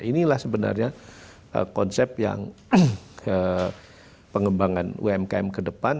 inilah sebenarnya konsep yang pengembangan umkm ke depan